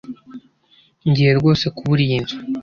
Ngiye rwose kubura iyi nzu